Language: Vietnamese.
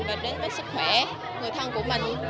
và đến với sức khỏe người thân của mình